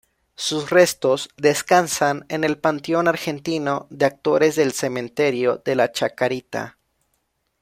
Sus restos descansan en el panteón argentino de actores del Cementerio de la Chacarita.